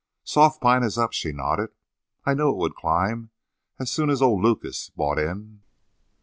"Soft pine is up," she nodded. "I knew it would climb as soon as old Lucas bought in."